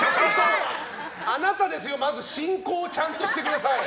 あなたですよ、まず進行をちゃんとしてください！